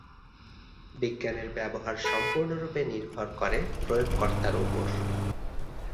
বিজ্ঞানের ব্যবহার সম্পূর্ণরূপে নির্ভর করে প্রয়োগ কর্তার উপর।